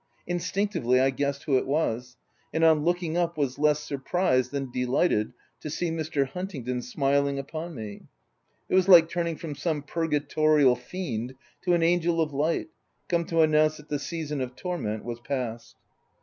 Instinctively, I guessed who it was, and on looking up, was 304 THE TENANT less surprised than delighted, to see Mr. Hun tingdon smiling upon me. It was like turning from some purgatorial fiend to an angel of light, come to announce that the season of torment was past.